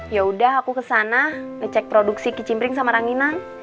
ya udah aku kesana ngecek produksi kicimbring sama ranginang